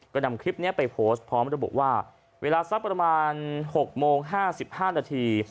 ก็นำคลิปนี้ไปโพสต์พร้อมแล้วบอกว่าเวลาสักประมาณหกโมงห้าสิบห้านาที